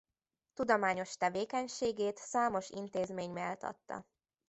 Tudományos tevékenységét számos intézmény méltatta.